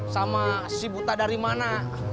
sama si buta darimana